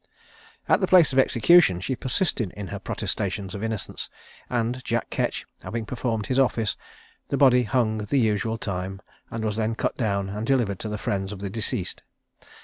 At the place of execution she persisted in her protestations of innocence, and Jack Ketch having performed his office, the body hung the usual time, and was then cut down and delivered to the friends of the deceased.